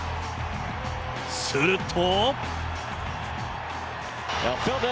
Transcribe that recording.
すると。